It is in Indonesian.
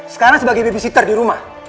sekarang sebagai babysitter di rumah